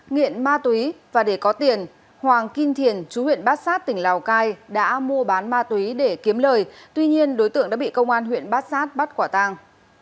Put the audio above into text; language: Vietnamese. nghiện ma túy và để có tiền hoàng kim thiền chú huyện bát sát tỉnh lào cai đã mua bán ma túy để kiếm lời tuy nhiên đối tượng đã bị công an huyện bát sát bắt quả tang